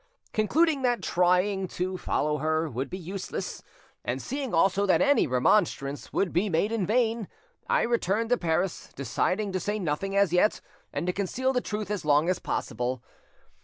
Concluding that trying to follow her would be useless, and seeing also that any remonstrance would be made in vain, I returned to Paris, deciding to say nothing as yet, and to conceal the truth as long as possible.